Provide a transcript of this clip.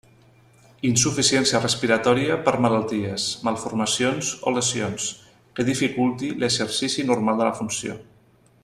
Insuficiència respiratòria per malalties, malformacions o lesions, que dificulti l'exercici normal de la funció.